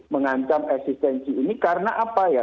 mengancam eksistensi ini karena apa ya